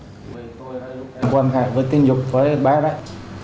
tôi đã có quan hệ với tình dục với bác ấy